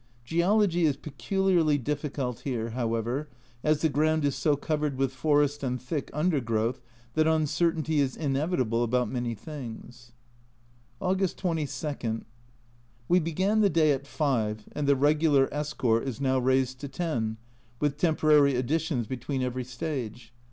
Geology is peculiarly difficult here, however, as the ground is so covered with forest and thick undergrowth that uncertainty is inevitable about many things. August 22. We began the day at 5, and the regular escort is now raised to 10, with temporary additions between every stage